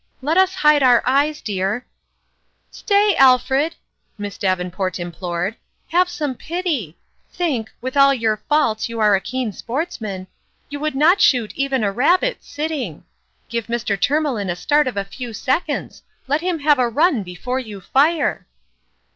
" Let us hide our eyes, dear !"" Stay, Alfred !" Miss Davenport implored, " have some pity ! Think with all your faults, you are a keen sportsman you would not shoot even a rabbit sitting! Give Mr. Tourmalin a start of a few seconds let him have a run before you fire